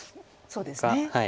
そうですね。